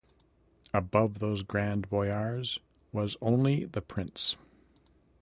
Above those grand boyars was only the prince.